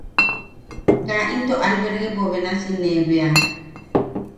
Kaa into albergepo benasi ne bea.